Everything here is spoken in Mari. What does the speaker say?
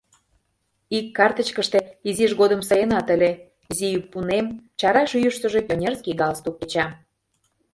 Ик картычкыште изиж годымсо Ленат ыле: изи ӱппунем, чара шӱйыштыжӧ пионерский галстук кеча.